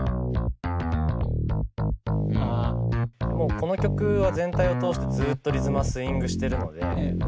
もうこの曲は全体を通してずっとリズムはスイングしてるので。